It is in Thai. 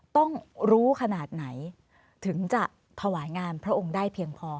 ต้องรู้ขนาดไหนถึงจะถวายงานพระองค์ได้เพียงพอ